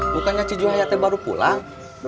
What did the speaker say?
bukannya cijuhayate baru pulang